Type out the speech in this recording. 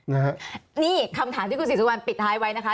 นะฮะนี่คำถามที่คุณศรีสุวรรณปิดท้ายไว้นะคะ